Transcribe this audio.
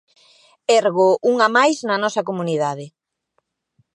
Ergo, unha máis na nosa comunidade.